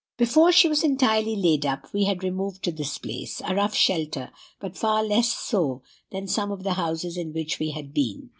"Before she was entirely laid up, we had removed to this place, a rough shelter, but far less so than some of the houses in which we had been.